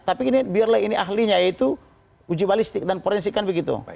tapi gini biarlah ini ahlinya yaitu uji balistik dan forensik kan begitu